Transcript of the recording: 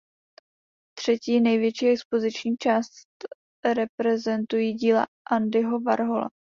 Třetí největší expoziční část reprezentují díla Andyho Warhola.